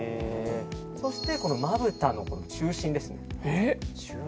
そしてこの、まぶたの中心ですね。